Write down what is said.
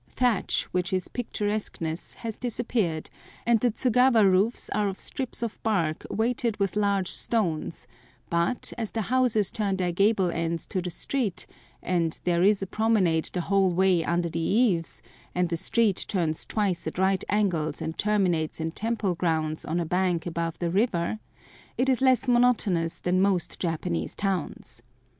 Thatch, with its picturesqueness, has disappeared, and the Tsugawa roofs are of strips of bark weighted with large stones; but, as the houses turn their gable ends to the street, and there is a promenade the whole way under the eaves, and the street turns twice at right angles and terminates in temple grounds on a bank above the river, it is less monotonous than most Japanese towns.